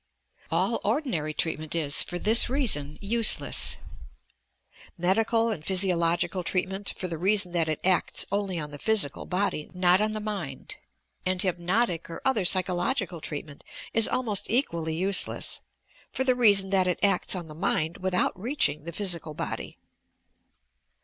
All ordinary treatment is, for this reason, use less. Medical and physiological treatment, for the reason that it acts only on the physical body, not on the mind; and hypnotic or other psychological treatment la almost equally useless, for the reason that it acts on the OBSESSION AND INSANITY 205 mind without reaching the phj sical hotly.